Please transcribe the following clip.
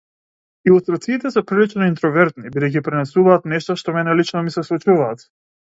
Илустрациите се прилично интровертни бидејќи пренесуваат нешта што мене лично ми се случуваат.